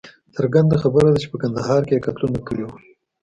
څرګنده خبره ده چې په کندهار کې یې قتلونه کړي وه.